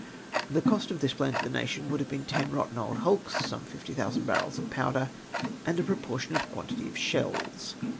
The cost of this plan to the nation would have been ten rotteri old hulks, some fifty thousand Ijarrels of p(jwder, and a proportionate quantity of shells.